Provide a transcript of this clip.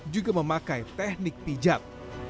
juga memakai teknik pijat